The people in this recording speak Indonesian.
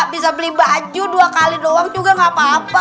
bisa beli baju dua kali doang juga gak apa apa